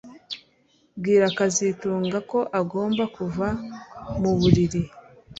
Bwira kazitunga ko agomba kuva muburiri